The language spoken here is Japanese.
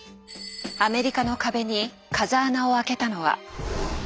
アメリカの壁に風穴を開けたのは。